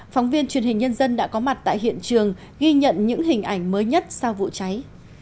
phóng viên truyền hình nhân dân đã có mặt tại hiện trường ghi nhận những hình ảnh mới nhất sau vụ cháy